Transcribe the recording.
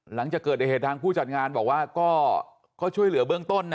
หลังจากเกิดเหตุทางผู้จัดงานบอกว่าก็ช่วยเหลือเบื้องต้นนะ